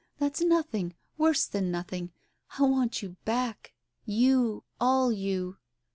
that's nothing ! worse than nothing ! I want you back, you, all you.